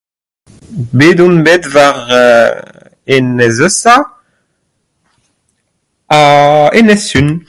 Bet on bet war [eeu] Enez-Eusa hag Enez-sun